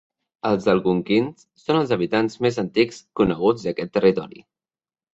Els Algonquins són els habitants més antics coneguts d'aquest territori.